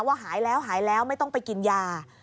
หายแล้วหายแล้วไม่ต้องไปกินยา